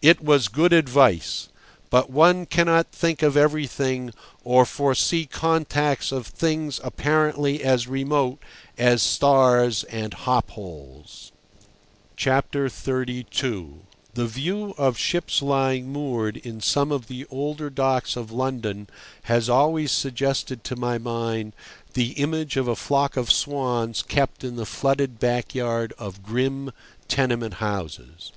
It was good advice. But one cannot think of everything or foresee contacts of things apparently as remote as stars and hop poles. XXXII. The view of ships lying moored in some of the older docks of London has always suggested to my mind the image of a flock of swans kept in the flooded backyard of grim tenement houses.